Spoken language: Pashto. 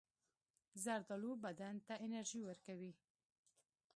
زردالو بدن ته انرژي ورکوي.